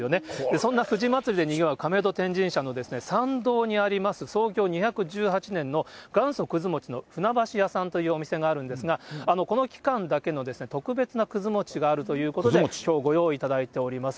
そんな藤まつりでにぎわう亀戸天神社の参道にあります、創業２１８年の元祖くず餅の船橋屋さんというお店があるんですが、この期間だけの特別なくず餅があるということで、きょうご用意いただいております。